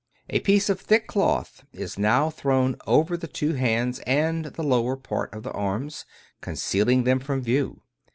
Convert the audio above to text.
A piece of thick cloth is now thrown over the two hands and the lower part of the arms, concealing them from view.